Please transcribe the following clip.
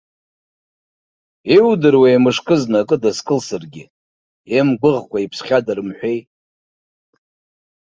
Иудыруеи мышкы зны акы дазкылсыргьы, имгәыӷкәа иԥсхьада рымҳәеи.